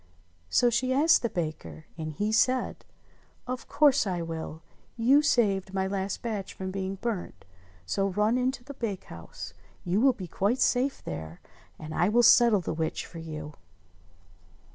So she asked the baker, and he said, "Of course I will. You saved my last batch from being burnt ; so run in to the bakehouse, you will be quite safe there, and I will settle the witch for you."